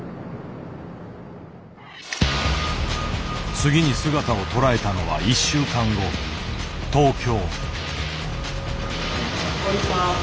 次に姿を捉えたのは１週間後東京。